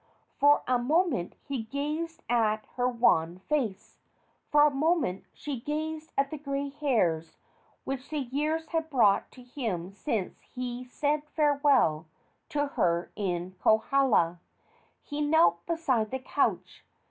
For a moment he gazed at her wan face; for a moment she glanced at the gray hairs which the years had brought to him since he said farewell to her in Kohala. He knelt beside the couch.